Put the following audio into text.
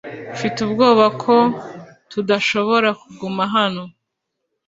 Mfite ubwoba ko tudashobora kuguma hano .